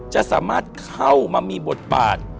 จะสามารถเข้ามามีบทบาท